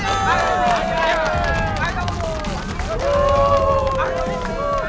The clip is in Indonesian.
keluarkan ye punya petarung